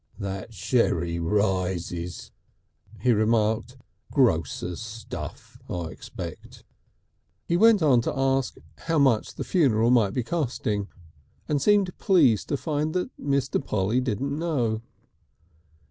"That sherry rises," he remarked. "Grocer's stuff, I expect." He went on to ask how much the funeral might be costing, and seemed pleased to find Mr. Polly didn't know.